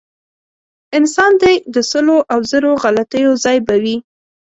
انسان دی د سلو او زرو غلطیو ځای به وي.